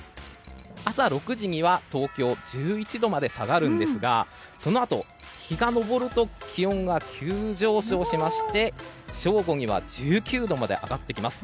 朝６時には東京、１１度まで下がるんですがそのあと、日が上ると気温は急上昇しまして正午には１９度まで上がってきます。